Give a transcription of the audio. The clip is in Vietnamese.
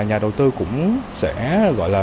nhà đầu tư cũng sẽ gọi là